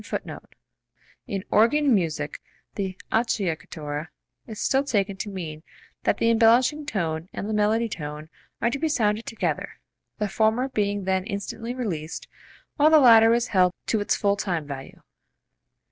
[Footnote 12: In organ music the acciaccatura is still taken to mean that the embellishing tone and the melody tone are to be sounded together, the former being then instantly released, while the latter is held to its full time value.